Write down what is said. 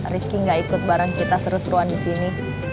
risky gak ikut bareng kita seru seruan disini